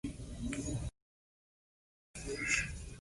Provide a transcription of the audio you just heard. Actualmente, el priorato está a cargo de de "English Heritage".